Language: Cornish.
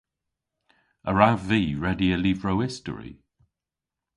A wrav vy redya lyvrow istori?